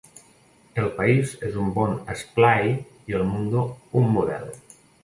"El País" és un bon "esplai" i "El Mundo" "un model".